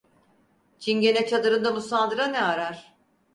Çingene çadırında musandıra ne arar?